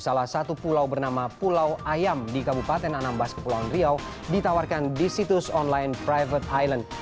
salah satu pulau bernama pulau ayam di kabupaten anambas kepulauan riau ditawarkan di situs online private island